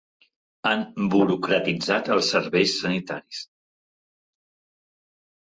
Han burocratitzat els serveis sanitaris.